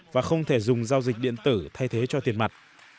và không thể dùng giao dịch điện tử thay thế cho tiền mặt